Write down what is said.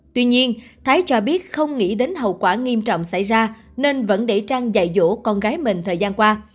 tuy nhiên thái cho biết không nghĩ đến hậu quả nghiêm trọng xảy ra nên vẫn để trang dạy dỗ con gái mình thời gian qua